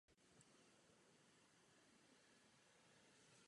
To navíc navrhovaná nová smlouva samozřejmě urychluje.